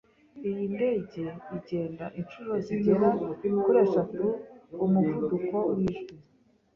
Iyi ndege igenda inshuro zigera kuri eshatu umuvuduko wijwi.